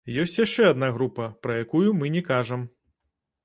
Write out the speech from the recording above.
Ёсць яшчэ адна група, пра якую мы не кажам.